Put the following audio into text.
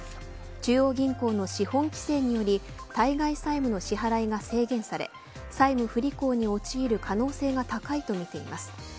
中央銀行の資本規制により対外債務の支払いが制限され債務不履行に陥る可能性が高いとみています。